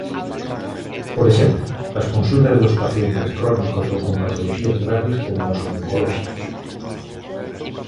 Por exemplo, as consultas dos pacientes crónicos ou con patoloxías graves como os oncolóxicos.